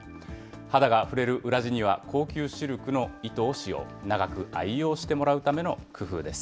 肌が触れる裏地には、高級シルクの糸を使用、長く愛用してもらうための工夫です。